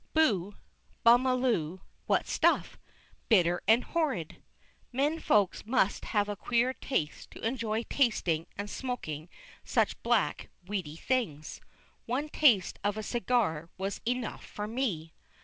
Boo, bumaloo, what stuff! bitter and horrid! Men Folks must have a queer taste to enjoy tasting and smoking such black, weedy things. One taste of a "cigar" was enough for me.